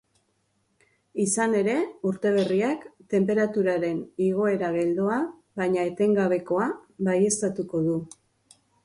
Izan ere, urte berriak tenperaturaren igoera geldoa baina etengabekoa baieztatuko du.